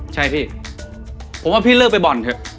ใช่พี่ผมว่าพี่เลิกไปบ่อนเถอะ